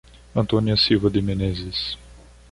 Antônia Silva de Meneses